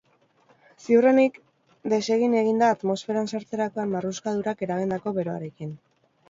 Ziurrenik desegin egin da atmosferan sartzerakoan marruskadurak eragindako beroarekin.